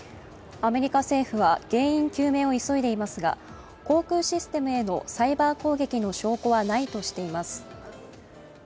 アメリカ政府は原因究明を急いでいますが、航空システムへのサイバー攻撃の証拠はないとしています。